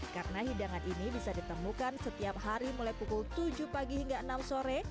karena hidangan ini bisa ditemukan setiap hari mulai pukul tujuh pagi hingga enam sore